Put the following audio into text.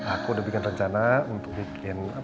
aku udah bikin rencana untuk bikin